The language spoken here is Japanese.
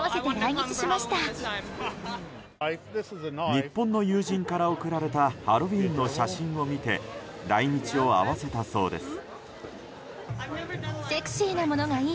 日本の友人から送られたハロウィーンの写真を見て来日を合わせたそうです。